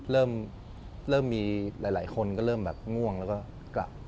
เริ่มมีหลายคนก็เริ่มแบบง่วงแล้วก็กลับ